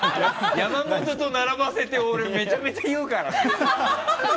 山本と並ばせて俺、めちゃめちゃ言うからね。